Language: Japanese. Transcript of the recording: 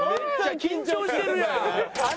緊張してるやん！